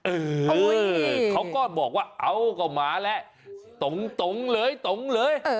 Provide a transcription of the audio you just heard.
เออเขาก็บอกว่าเอาก็มาแล้วตรงเลยตรงเลย